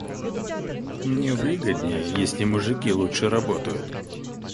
Мне выгоднее, если мужики лучше работают.